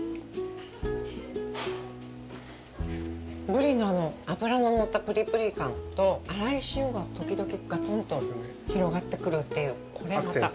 ブリの脂の乗ったプリプリ感と、粗い塩がときどきガツンと広がってくるという、これまた。